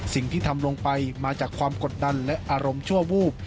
สิ่งที่ทำลงไปมาจากความกดดันและอารมณ์ชั่ววูบ